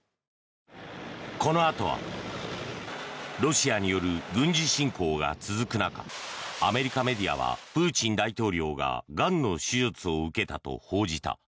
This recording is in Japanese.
このあとはロシアによる軍事侵攻が続く中アメリカメディアはプーチン大統領ががんの手術を受けたと報じた。